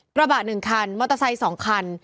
กระบะ๑คันมอเตอร์ไซค์๒คัน